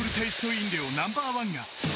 飲料ナンバーワンが